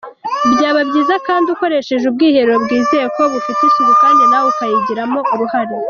Byaba byiza kandi ukoresheje ubwiherero bwizewe ko bufite isuku kandi nawe ukayigiramo uruhare.